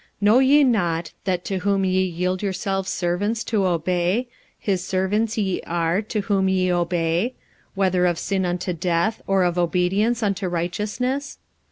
45:006:016 Know ye not, that to whom ye yield yourselves servants to obey, his servants ye are to whom ye obey; whether of sin unto death, or of obedience unto righteousness?